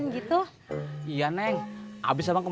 gitu ini suka